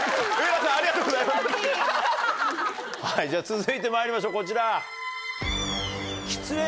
続いてまいりましょうこちら。